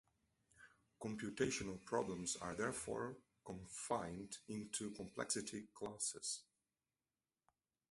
Computational problems are therefore confined into complexity classes.